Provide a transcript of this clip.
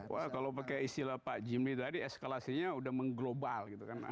wah kalau pakai istilah pak jimi tadi eskalasinya sudah mengglobal